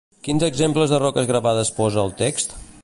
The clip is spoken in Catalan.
Quins exemples de roques gravades posa el text?